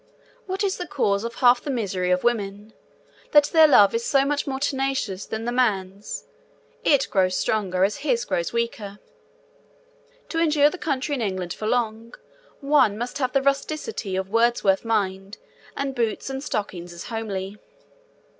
What is the cause of half the misery of women? That their love is so much more tenacious than the man's: it grows stronger as his grows weaker. To endure the country in England for long, one must have the rusticity of Wordsworth's mind, and boots and stockings as homely.